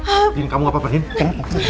adit kamu apa pak din kenapa